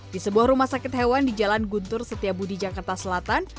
di sebuah rumah sakit hewan di jalan guntur setiabudi jakarta selatan